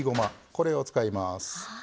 これを使います。